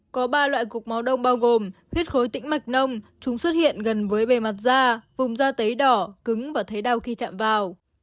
có ba loại cục máu đông bao gồm huyết khối tĩnh mạch nông chúng xuất hiện gần với bề mặt da vùng da tấy đỏ cứng và thấy đau khi chạm vào